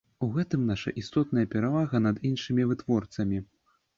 У гэтым наша істотная перавага над іншымі вытворцамі.